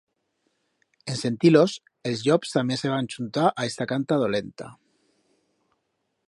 En sentir-los, els llops tamé se van chuntar a ista canta dolenta.